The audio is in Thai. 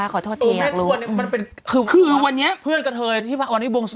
ค่ะขอโทษทีอยากรู้มันเป็นคือคือวันนี้เพื่อนกับเธอที่วันนี้บวงสูง